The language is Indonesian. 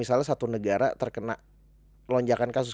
misalnya satu negara terkena lonjakan kasus